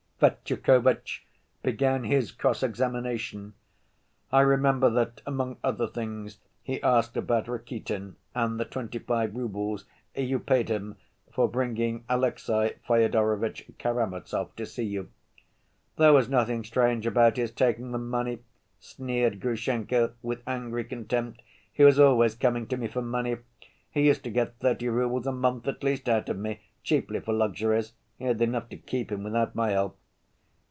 Fetyukovitch began his cross‐examination. I remember that among other things he asked about Rakitin and the twenty‐five roubles "you paid him for bringing Alexey Fyodorovitch Karamazov to see you." "There was nothing strange about his taking the money," sneered Grushenka, with angry contempt. "He was always coming to me for money: he used to get thirty roubles a month at least out of me, chiefly for luxuries: he had enough to keep him without my help."